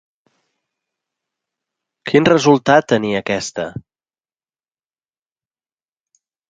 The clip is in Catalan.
Quin resultat tenia aquesta?